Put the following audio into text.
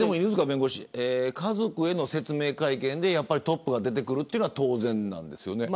家族への説明会見でトップが出てくるのは当然なんですよね。